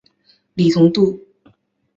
李同度。